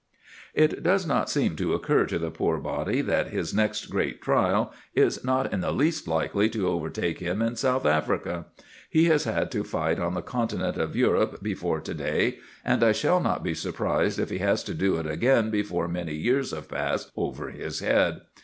It does not seem to occur to the poor body that his next great trial is not in the least likely to overtake him in South Africa. He has had to fight on the Continent of Europe before to day, and I shall not be surprised if he has to do it again before many years have passed over his head.